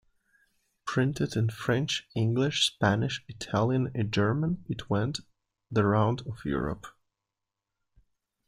Printed in French, English, Spanish, Italian and German, it went the round of Europe.